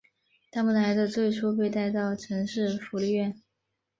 他们的孩子最初被带到城市福利院。